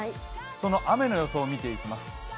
その雨の予想を見ていきます。